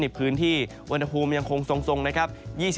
พื้นที่อุณหภูมิยังคงทรงนะครับ